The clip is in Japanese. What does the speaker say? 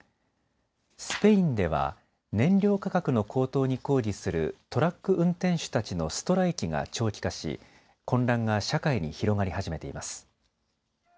スペインでは燃料価格の高騰に抗議するトラック運転手たちのストライキが長期化し混乱が社会に広がり始めています。